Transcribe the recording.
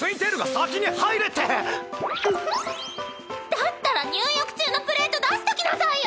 だったら入浴中のプレート出しときなさいよ！